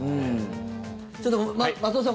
ちょっと松尾さん